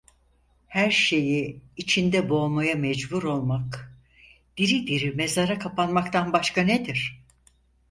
Her şeyi içinde boğmaya mecbur olmak, diri diri mezara kapanmaktan başka nedir?